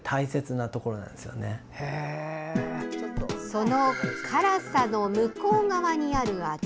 その辛さの向こう側にある味